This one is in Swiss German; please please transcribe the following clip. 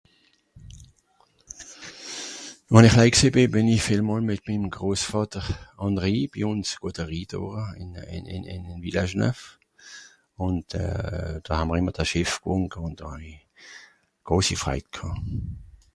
wenn i chlei gsìì bì bìn i vielmol mìt mim Grosvàter àn Rhii bi ùn, wo de Rhii do ìn Village-neuf. Ùnd euh... do hà mr ìmmer de Schìff (...) ùn do hàw-i grosi freit ghàà.